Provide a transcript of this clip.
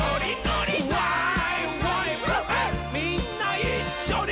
みんないっしょに。